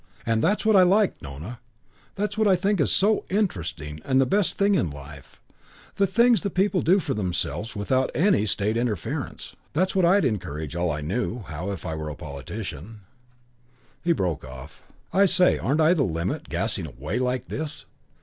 And that's what I like, Nona that's what I think so interesting and the best thing in life: the things the people do for themselves without any State interference. That's what I'd encourage all I knew how if I were a politician " He broke off. "I say, aren't I the limit, gassing away like this?